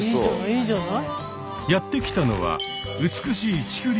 いいじゃない。